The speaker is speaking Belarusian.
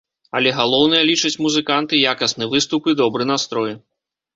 Але галоўнае, лічаць музыканты, якасны выступ і добры настрой!